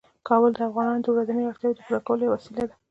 کابل د افغانانو د ورځنیو اړتیاوو د پوره کولو یوه وسیله ده.